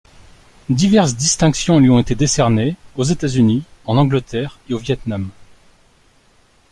Diverses distinctions lui ont été décernées aux États-Unis, en Angleterre et au Viêt Nam.